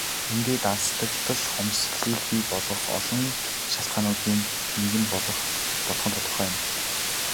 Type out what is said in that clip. Ингээд алслагдал хомсдолыг бий болгох олон шалтгаануудын нэг болох нь тодорхой юм.